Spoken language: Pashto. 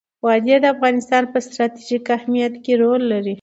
وادي د افغانستان په ستراتیژیک اهمیت کې رول لري.